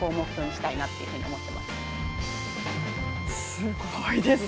すごいですね。